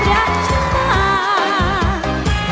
ในรอยของฉัน